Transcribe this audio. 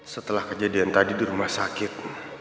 setelah kejadian tadi di rumah sakit